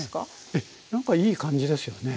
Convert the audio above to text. ええなんかいい感じですよね。